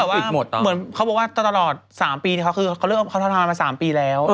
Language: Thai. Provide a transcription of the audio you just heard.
แล้วเขาก็แบบว่าเหมือนเขาบอกว่าตลอด๓ปีเขาเริ่มทำงานมา๓ปีแล้ว